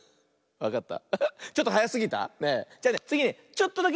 わかった？